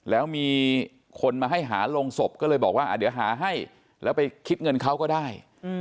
แล้วมีคนมาให้หาโรงศพก็เลยบอกว่าเดี๋ยวหาให้แล้วไปคิดเงินเขาก็ได้